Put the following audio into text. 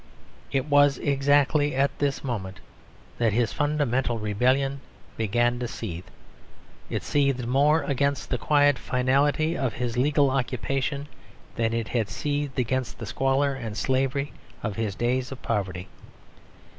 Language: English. It was exactly at this moment that his fundamental rebellion began to seethe; it seethed more against the quiet finality of his legal occupation than it had seethed against the squalor and slavery of his days of poverty.